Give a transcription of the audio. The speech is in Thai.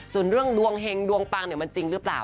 ส่วนเรื่องรวงแห่งรวงปังเนี่ยมันจริงหรือเปล่า